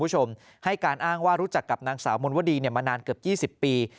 ให้การอ้างว่ารู้จักกับนางสาวมนวดีมานานเกือบ๒๐ปี